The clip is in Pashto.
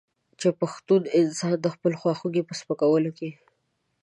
چې پښتون انسان د خپلو خواخوږو په سپکولو کې.